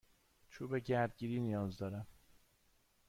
چوب گردگیری نیاز دارم.